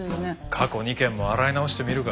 過去２件も洗い直してみるか。